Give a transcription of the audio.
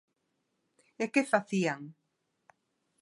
¿E que facían?